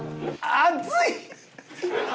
熱い。